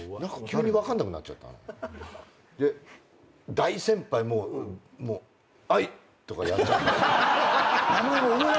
大先輩もうはい！とかやっちゃって。